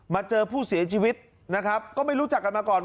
เจอผู้เสียชีวิตนะครับก็ไม่รู้จักกันมาก่อน